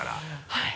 はい。